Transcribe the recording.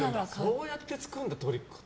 そうやって作るんだトリックって。